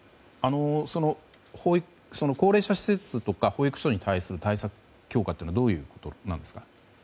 高齢者施設とか保育所に対する対策強化ということはどういうことなんですか？